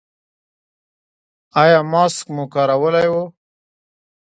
ایا ماسک مو کارولی و؟